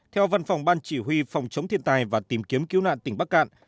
theo văn phòng ban chỉ huy phòng chống thiên tai và tìm kiếm cứu nạn tỉnh bắc cạn